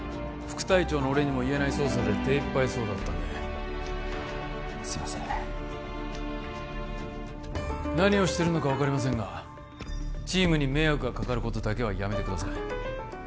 副隊長の俺にも言えない捜査で手いっぱいそうだったんですいません何をしてるのか分かりませんがチームに迷惑がかかることだけはやめてください